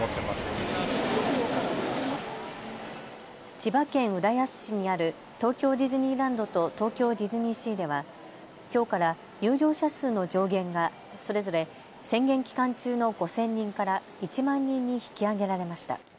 千葉県浦安市にある東京ディズニーランドと東京ディズニーシーではきょうから入場者数の上限がそれぞれ宣言期間中の５０００人から１万人に引き上げられました。